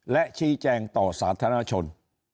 และชี้แจงต่อสาธารณชน